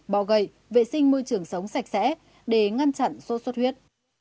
bọ gậy vệ sinh môi trường sống sạch sẽ để ngăn chặn sốt xuất huyết